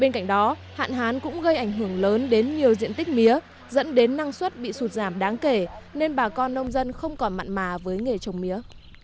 bên cạnh đó hạn hán cũng gây ảnh hưởng lớn đến nhiều diện tích mía dẫn đến năng suất bị sụt giảm đáng kể nên bà con nông dân không còn mặn mà với nghề trồng mía